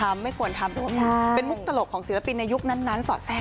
ไม่ต้องค่ะ